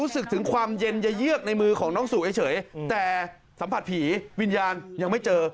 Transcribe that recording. สัมผัสผีวิญญาณยังไม่เจอ